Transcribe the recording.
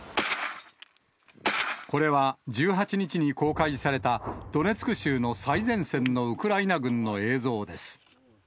これは１８日に公開された、ドネツク州の最前線のウクライナ軍の映像です。